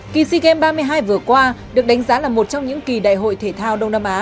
kỳ sea games ba mươi hai vừa qua được đánh giá là một trong những kỳ đại hội thể thao đông nam á